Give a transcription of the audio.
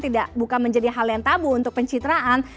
tidak bukan menjadi hal yang tabu untuk pencitraan